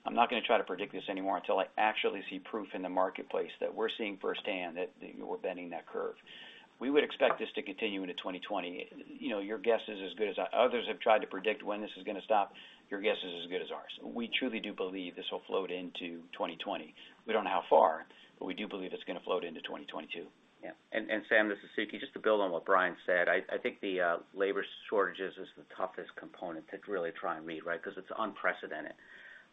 I'm not gonna try to predict this anymore until I actually see proof in the marketplace that we're seeing firsthand that we're bending that curve. We would expect this to continue into 2020. You know, your guess is as good as ours. Others have tried to predict when this is gonna stop. We truly do believe this will float into 2020. We don't know how far, but we do believe it's gonna float into 2020 too. Yeah. Sam, this is Suky. Just to build on what Bryan said, I think the labor shortages is the toughest component to really try and read, right? Because it's unprecedented.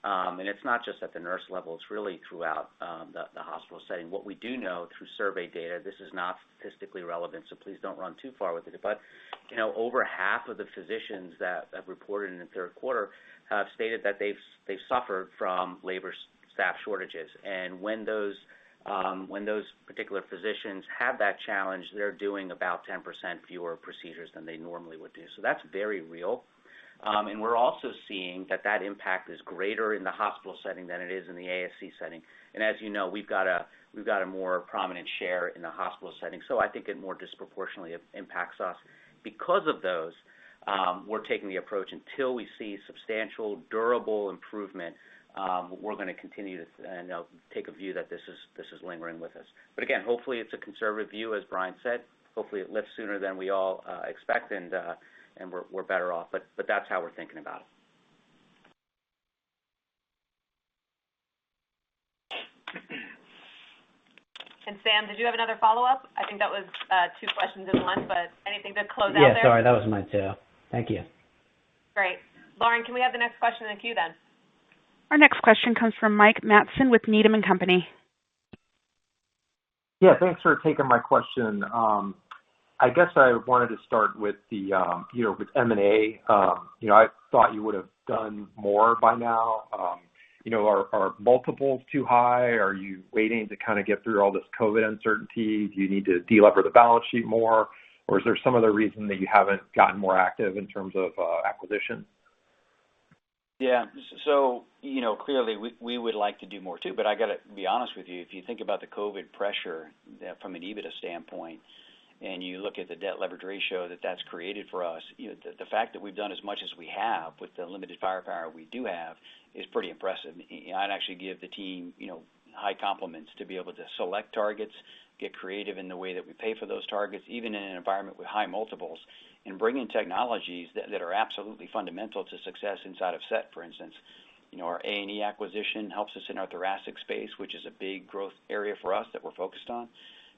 It's not just at the nurse level, it's really throughout the hospital setting. What we do know through survey data, this is not statistically relevant, so please don't run too far with it. You know, over half of the physicians that have reported in the third quarter have stated that they've suffered from labor staff shortages. When those particular physicians have that challenge, they're doing about 10% fewer procedures than they normally would do. That's very real. We're also seeing that impact is greater in the hospital setting than it is in the ASC setting. As you know, we've got a more prominent share in the hospital setting. I think it more disproportionately impacts us. Because of those, we're taking the approach until we see substantial, durable improvement. We're gonna continue to take a view that this is lingering with us. Again, hopefully it's a conservative view, as Bryan said. Hopefully it lifts sooner than we all expect and we're better off. That's how we're thinking about it. Sam, did you have another follow-up? I think that was two questions in one, but anything to close out there? Yeah, sorry. That was my two. Thank you. Great. Lauren, can we have the next question in the queue then? Our next question comes from Mike Matson with Needham & Company. Yeah, thanks for taking my question. I guess I wanted to start with the, you know, with M&A. You know, I thought you would have done more by now. You know, are multiples too high? Are you waiting to kinda get through all this COVID uncertainty? Do you need to delever the balance sheet more? Or is there some other reason that you haven't gotten more active in terms of, acquisition? Yeah. You know, clearly we would like to do more too, but I gotta be honest with you, if you think about the COVID pressure from an EBITDA standpoint, and you look at the debt leverage ratio that that's created for us, you know, the fact that we've done as much as we have with the limited firepower we do have is pretty impressive. I'd actually give the team, you know, high compliments to be able to select targets, get creative in the way that we pay for those targets, even in an environment with high multiples, and bring in technologies that are absolutely fundamental to success inside of S.E.T., for instance. You know, our A&E acquisition helps us in our thoracic space, which is a big growth area for us that we're focused on.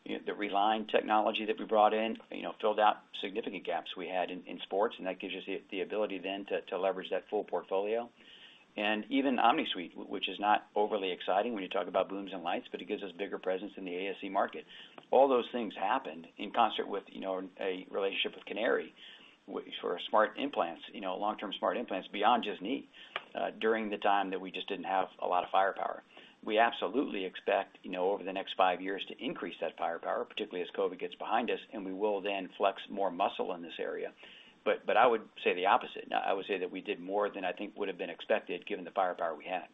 The Relign technology that we brought in, you know, filled out significant gaps we had in sports, and that gives us the ability then to leverage that full portfolio. Even Omni Suite, which is not overly exciting when you talk about booms and lights, but it gives us bigger presence in the ASC market. All those things happened in concert with, you know, a relationship with Canary for smart implants, you know, long-term smart implants beyond just knee during the time that we just didn't have a lot of firepower. We absolutely expect, you know, over the next five years to increase that firepower, particularly as COVID gets behind us, and we will then flex more muscle in this area. But I would say the opposite. Now, I would say that we did more than I think would have been expected given the firepower we had.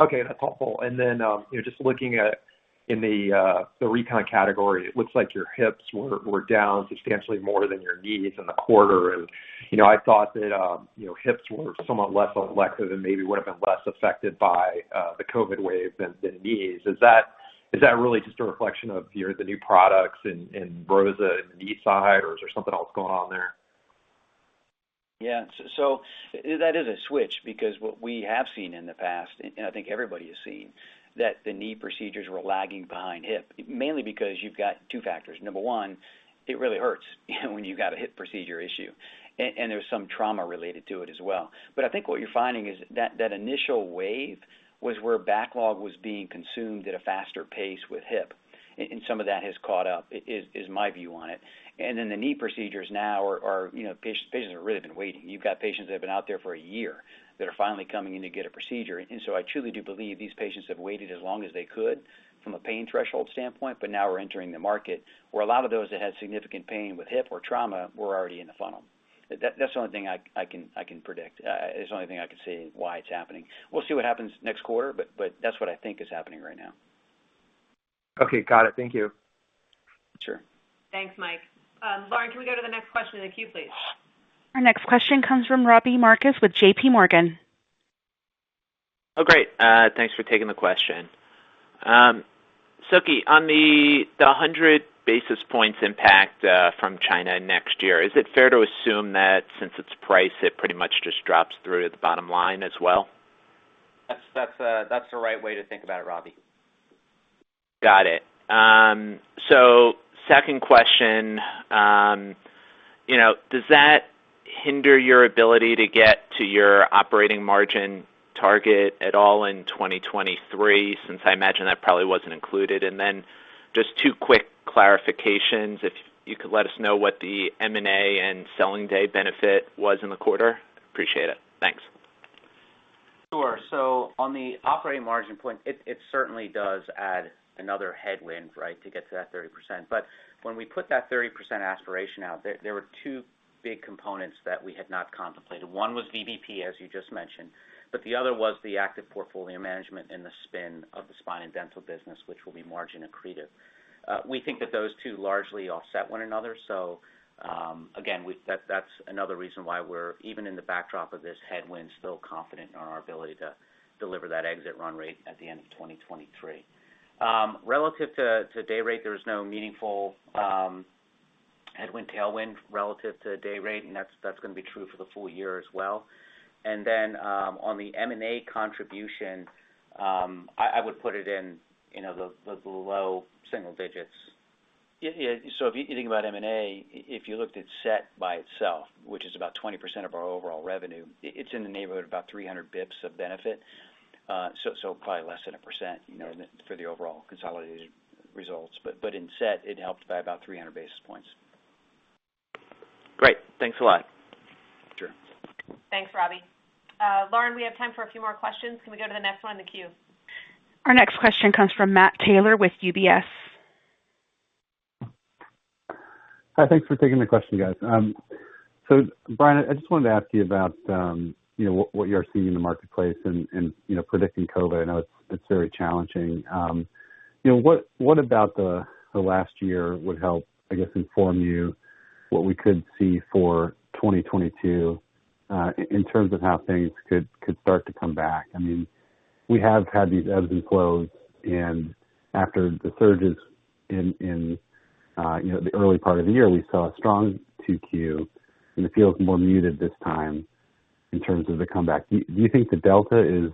Okay, that's helpful. You know, just looking at the recon category, it looks like your hips were down substantially more than your knees in the quarter. You know, I thought that hips were somewhat less elective and maybe would have been less affected by the COVID wave than knees. Is that really just a reflection of the new products in ROSA and knee side or is there something else going on there? Yeah. That is a switch because what we have seen in the past, and I think everybody has seen, that the knee procedures were lagging behind hip, mainly because you've got two factors. Number one, it really hurts, you know, when you've got a hip procedure issue, and there's some trauma related to it as well. I think what you're finding is that initial wave was where backlog was being consumed at a faster pace with hip. Some of that has caught up, is my view on it. The knee procedures now are, you know, patients have really been waiting. You've got patients that have been out there for a year that are finally coming in to get a procedure. I truly do believe these patients have waited as long as they could from a pain threshold standpoint, but now we're entering the market where a lot of those that had significant pain with hip or trauma were already in the funnel. That's the only thing I can predict. It's the only thing I can see why it's happening. We'll see what happens next quarter, but that's what I think is happening right now. Okay. Got it. Thank you. Sure. Thanks, Mike. Lauren, can we go to the next question in the queue, please? Our next question comes from Robbie Marcus with J.P. Morgan. Oh, great. Thanks for taking the question. Suky, on the 100 basis points impact from China next year, is it fair to assume that since it's priced, it pretty much just drops through to the bottom line as well? That's the right way to think about it, Robbie. Got it. Second question, you know, does that hinder your ability to get to your operating margin target at all in 2023 since I imagine that probably wasn't included? Just two quick clarifications, if you could let us know what the M&A and selling day benefit was in the quarter. Appreciate it. Thanks. Sure. On the operating margin point, it certainly does add another headwind, right, to get to that 30%. When we put that 30% aspiration out there were two big components that we had not contemplated. One was VBP, as you just mentioned, but the other was the active portfolio management and the spin of the spine and dental business, which will be margin accretive. We think that those two largely offset one another, so. That's another reason why we're even in the backdrop of this headwind, still confident in our ability to deliver that exit run rate at the end of 2023. Relative to day rate, there is no meaningful headwind tailwind relative to day rate, and that's gonna be true for the full year as well. On the M&A contribution, I would put it in, you know, the low single digits. If you think about M&A, if you looked at S.E.T. by itself, which is about 20% of our overall revenue, it's in the neighbourhood of about 300 basis points of benefit. So probably less than 1%, you know, for the overall consolidated results. In S.E.T., it helped by about 300 basis points. Great. Thanks a lot. Sure. Thanks, Robbie. Lauren, we have time for a few more questions. Can we go to the next one in the queue? Our next question comes from Matt Taylor with UBS. Hi. Thanks for taking the question, guys. Bryan, I just wanted to ask you about, you know, what you are seeing in the marketplace and, you know, predicting COVID. I know it's very challenging. You know, what about the last year would help, I guess, inform you what we could see for 2022, in terms of how things could start to come back? I mean, we have had these ebbs and flows and after the surges in, you know, the early part of the year, we saw a strong 2Q, and it feels more muted this time in terms of the comeback. Do you think the Delta's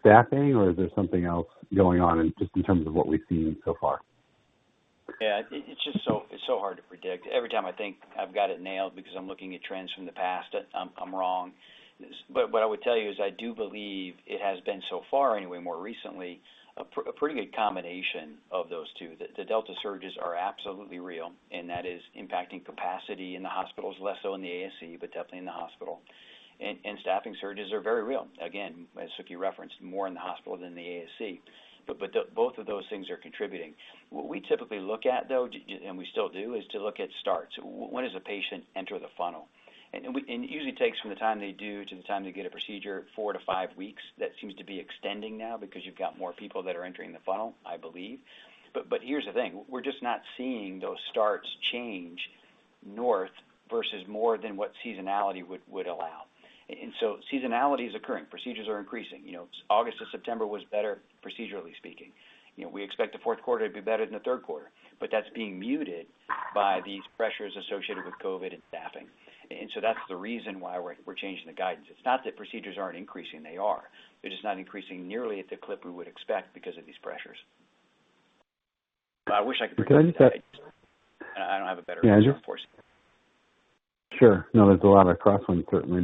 staffing or is there something else going on just in terms of what we've seen so far? Yeah. It's just so hard to predict. Every time I think I've got it nailed because I'm looking at trends from the past, I'm wrong. What I would tell you is I do believe it has been so far anyway, more recently, a pretty good combination of those two. The Delta surges are absolutely real, and that is impacting capacity in the hospitals, less so in the ASC, but definitely in the hospital. Staffing surges are very real. Again, as Suky referenced, more in the hospital than the ASC. Both of those things are contributing. What we typically look at, though, and we still do, is to look at starts. When does a patient enter the funnel? It usually takes from the time they do to the time they get a procedure, four-five weeks. That seems to be extending now because you've got more people that are entering the funnel, I believe. But here's the thing, we're just not seeing those starts change north of more than what seasonality would allow. Seasonality is occurring, procedures are increasing. You know, August to September was better procedurally speaking. You know, we expect the fourth quarter to be better than the third quarter, but that's being muted by these pressures associated with COVID and staffing. That's the reason why we're changing the guidance. It's not that procedures aren't increasing, they are. They're just not increasing nearly at the clip we would expect because of these pressures. But I wish I could predict that. I don't have a better answer, unfortunately. Sure. No, there's a lot of crosswinds, certainly.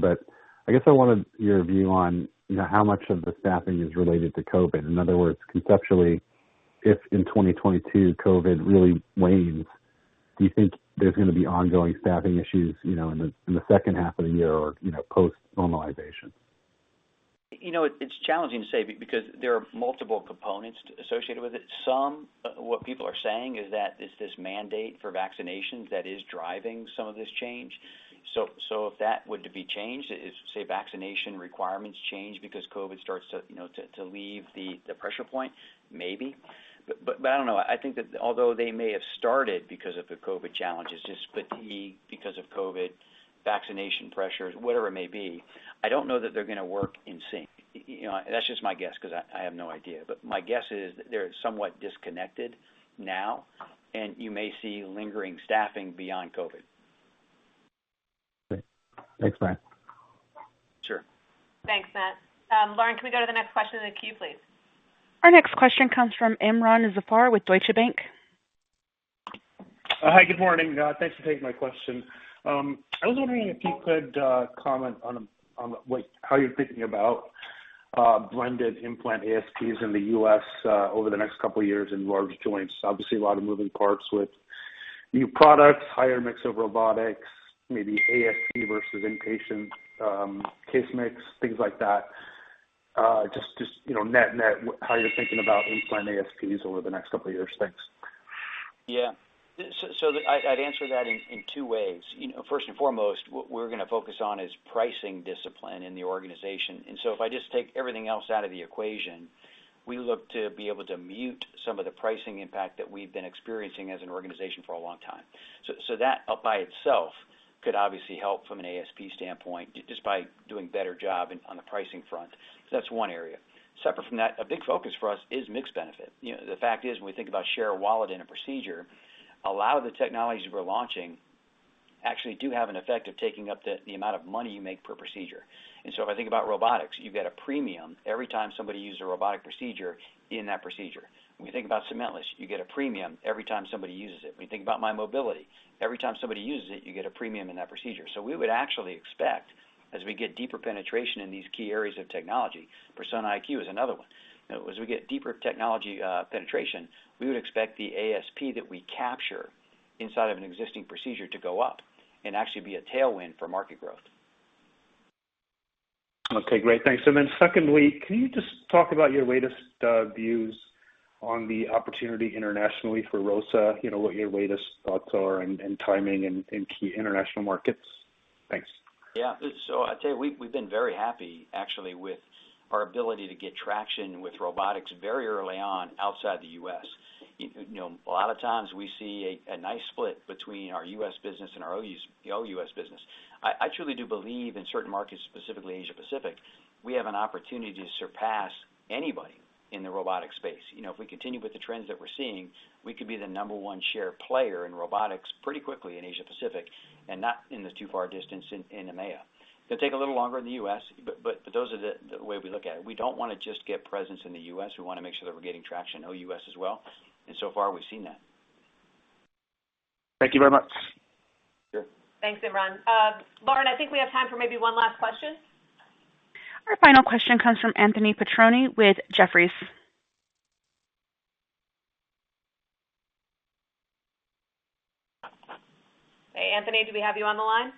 I guess I wanted your view on, you know, how much of the staffing is related to COVID. In other words, conceptually, if in 2022 COVID really wanes, do you think there's gonna be ongoing staffing issues, you know, in the second half of the year or, you know, post normalization? You know, it's challenging to say because there are multiple components associated with it. Some, what people are saying is that it's this mandate for vaccinations that is driving some of this change. If that were to be changed, if, say, vaccination requirements change because COVID starts to, you know, to leave the pressure point, maybe. I don't know. I think that although they may have started because of the COVID challenges, just fatigue because of COVID, vaccination pressures, whatever it may be, I don't know that they're gonna work in sync. You know, that's just my guess because I have no idea. My guess is they're somewhat disconnected now, and you may see lingering staffing beyond COVID. Okay. Thanks, Bryan. Sure. Thanks, Matt. Lauren, can we go to the next question in the queue, please? Our next question comes from Imron Zafar with Deutsche Bank. Hi. Good morning. Thanks for taking my question. I was wondering if you could comment on, like, how you're thinking about blended implant ASPs in the U.S., over the next couple of years in Large Joints. Obviously, a lot of moving parts with new products, higher mix of robotics, maybe ASP versus inpatient, case mix, things like that. Just, you know, net-net, how you're thinking about implant ASPs over the next couple of years. Thanks. I’d answer that in two ways. You know, first and foremost, what we're gonna focus on is pricing discipline in the organization. If I just take everything else out of the equation, we look to be able to mute some of the pricing impact that we've been experiencing as an organization for a long time. That by itself could obviously help from an ASP standpoint just by doing better job on the pricing front. That's one area. Separate from that, a big focus for us is mix benefit. You know, the fact is, when we think about share of wallet in a procedure, a lot of the technologies we're launching actually do have an effect of taking up the amount of money you make per procedure. If I think about robotics, you get a premium every time somebody uses a robotic procedure in that procedure. When you think about cementless, you get a premium every time somebody uses it. When you think about mymobility, every time somebody uses it, you get a premium in that procedure. We would actually expect as we get deeper penetration in these key areas of technology, Persona iQ is another one. You know, as we get deeper technology penetration, we would expect the ASP that we capture inside of an existing procedure to go up and actually be a tailwind for market growth. Okay, great. Thanks. Secondly, can you just talk about your latest views on the opportunity internationally for ROSA? You know, what your latest thoughts are and timing in key international markets? Thanks. Yeah. I'd say we've been very happy actually with our ability to get traction with robotics very early on outside the U.S. You know, a lot of times we see a nice split between our U.S. business and our OUS business. I truly do believe in certain markets, specifically Asia Pacific, we have an opportunity to surpass anybody in the robotic space. You know, if we continue with the trends that we're seeing, we could be the number one share player in robotics pretty quickly in Asia Pacific and not in this too far distance in EMEA. It'll take a little longer in the U.S., but those are the way we look at it. We don't wanna just get presence in the U.S. We wanna make sure that we're getting traction OUS as well. So far we've seen that. Thank you very much. Sure. Thanks, Imron. Lauren, I think we have time for maybe one last question. Our final question comes from Anthony Petrone with Jefferies. Hey, Anthony, do we have you on the line?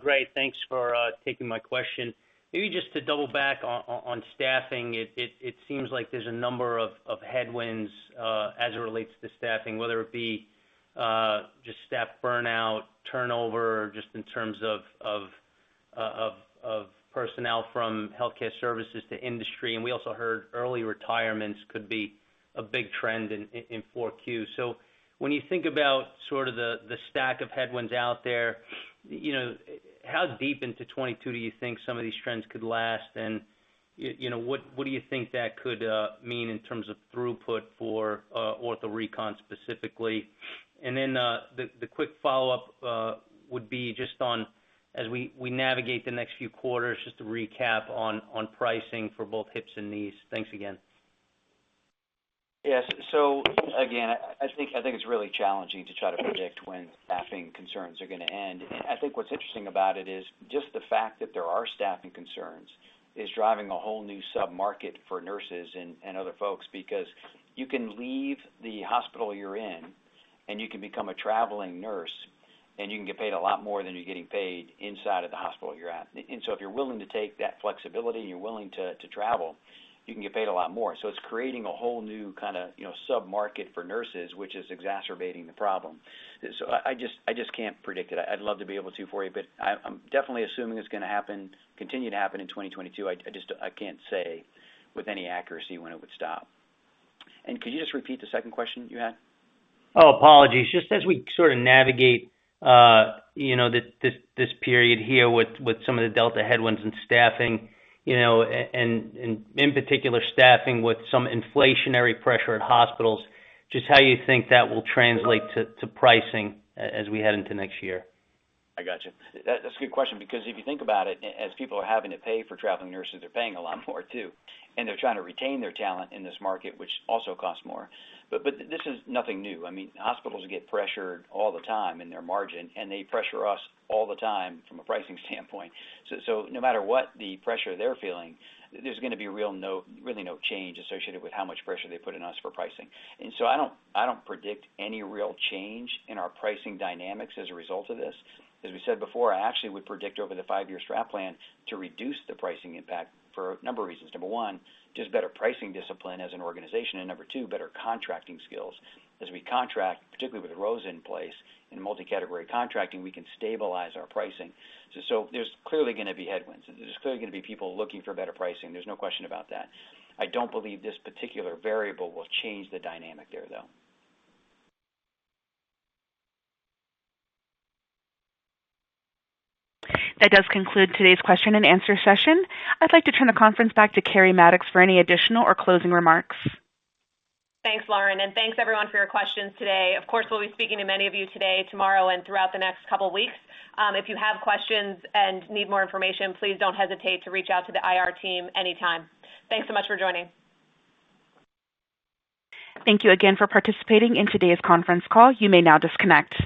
Great. Thanks for taking my question. Maybe just to double back on staffing. It seems like there's a number of headwinds as it relates to staffing, whether it be just staff burnout, turnover, just in terms of personnel from healthcare services to industry. We also heard early retirements could be a big trend in 4Q. When you think about sort of the stack of headwinds out there, you know, how deep into 2022 do you think some of these trends could last? You know, what do you think that could mean in terms of throughput for ortho recon specifically? The quick follow-up would be just on as we navigate the next few quarters, just to recap on pricing for both hips and knees. Thanks again. Yes. Again, I think it's really challenging to try to predict when staffing concerns are gonna end. I think what's interesting about it is just the fact that there are staffing concerns is driving a whole new sub-market for nurses and other folks, because you can leave the hospital you're in, and you can become a traveling nurse, and you can get paid a lot more than you're getting paid inside of the hospital you're at. If you're willing to take that flexibility and you're willing to travel, you can get paid a lot more. It's creating a whole new kinda, you know, sub-market for nurses, which is exacerbating the problem. I just can't predict it. I'd love to be able to for you, but I'm definitely assuming it's gonna happen, continue to happen in 2022. I can't say with any accuracy when it would stop. Could you just repeat the second question you had? Oh, apologies. Just as we sort of navigate, you know, this period here with some of the Delta headwinds and staffing, you know, and in particular staffing with some inflationary pressure at hospitals, just how you think that will translate to pricing as we head into next year? I gotcha. That's a good question because if you think about it, as people are having to pay for traveling nurses, they're paying a lot more too, and they're trying to retain their talent in this market, which also costs more. This is nothing new. I mean, hospitals get pressured all the time in their margin, and they pressure us all the time from a pricing standpoint. No matter what the pressure they're feeling, there's gonna be really no change associated with how much pressure they put on us for pricing. I don't predict any real change in our pricing dynamics as a result of this. As we said before, I actually would predict over the five-year strat plan to reduce the pricing impact for a number of reasons. Number one, just better pricing discipline as an organization, and number two, better contracting skills. As we contract, particularly with Rose in place in multi-category contracting, we can stabilize our pricing. There's clearly gonna be headwinds. There's clearly gonna be people looking for better pricing. There's no question about that. I don't believe this particular variable will change the dynamic there, though. That does conclude today's question-and-answer session. I'd like to turn the conference back to Keri Mattox for any additional or closing remarks. Thanks, Lauren, and thanks everyone for your questions today. Of course, we'll be speaking to many of you today, tomorrow, and throughout the next couple weeks. If you have questions and need more information, please don't hesitate to reach out to the IR team anytime. Thanks so much for joining. Thank you again for participating in today's conference call. You may now disconnect.